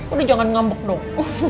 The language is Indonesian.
udah jangan ngambek dong